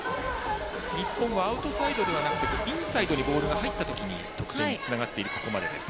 日本はアウトサイドではなくてインサイドにボールが入った時に得点につながっているここまでです。